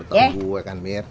nah lo tau gue kan mir